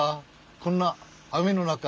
こんな雨の中。